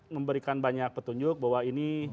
memberikan banyak petunjuk bahwa ini